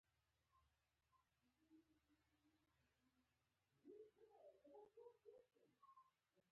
د بازار اړتیاوې باید دقیقې وپېژندل شي.